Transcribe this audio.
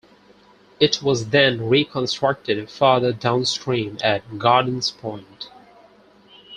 It was then reconstructed further downstream at Gardens Point.